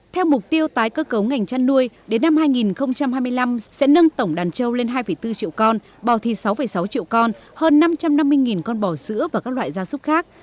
theo mục tiêu tái cơ cấu ngành chăn nuôi đến năm hai nghìn hai mươi năm sẽ nâng tổng đàn trâu lên hai bốn triệu con bò thịt sáu sáu triệu con hơn năm trăm năm mươi con bò sữa và các loại gia súc khác